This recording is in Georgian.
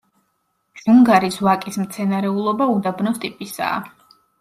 ჯუნგარის ვაკის მცენარეულობა უდაბნოს ტიპისაა.